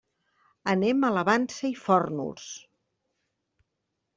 Anem a la Vansa i Fórnols.